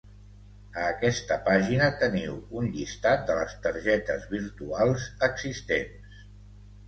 A aquesta pàgina teniu un llistat de les targetes virtuals existents.